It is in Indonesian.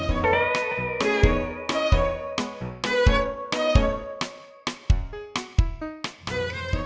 mas aku mau pergi